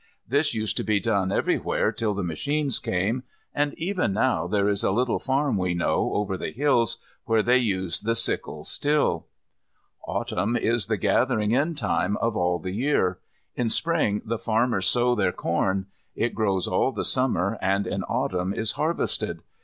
This used to be done everywhere till the machines came, and even now there is a little farm we know over the hills where they use the sickle still. Autumn is the gathering in time of all the year. In Spring the farmers sow their corn. It grows all the Summer and in Autumn is harvested.